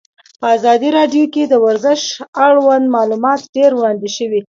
په ازادي راډیو کې د ورزش اړوند معلومات ډېر وړاندې شوي.